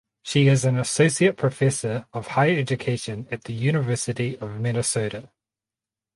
She is an associate professor of Higher Education at the University of Minnesota.